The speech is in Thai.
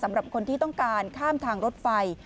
สำหรับคนที่ต้องการข้ามทางรถไฟ